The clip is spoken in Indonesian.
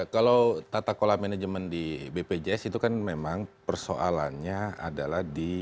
kalau tata kelola manajemen di bpjs itu kan memang persoalannya adalah di